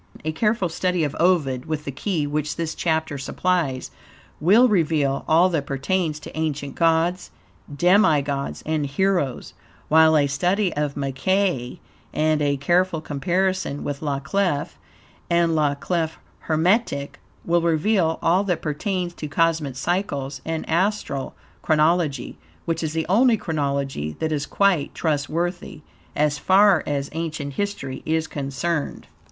A careful study of Ovid, with the key which this chapter supplies, will reveal ALL that pertains to ancient gods, demi gods, and heroes, while a study of Mackey, and a careful comparison with "La Clef" and "La Clef Hermetique" will reveal all that pertains to cosmic cycles and astral chronology, which is the only chronology that is quite trustworthy, as far as ancient history is concerned.